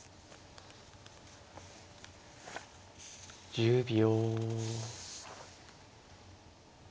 １０秒。